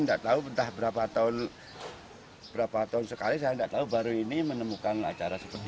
tidak tahu entah berapa tahun berapa tahun sekali saya tidak tahu baru ini menemukan acara seperti ini